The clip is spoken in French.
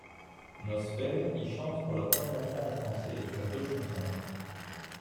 Nosfell y chante pour la première fois en français sur deux chansons.